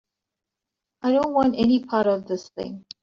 I don't want any part of this thing.